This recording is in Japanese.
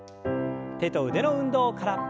手と腕の運動から。